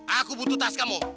aku butuh tas kamu